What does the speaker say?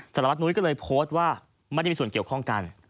สารวัตนุ้ยก็เลยโพสต์ว่าไม่ได้มีส่วนเกี่ยวข้องกัน